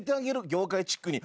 業界チックに。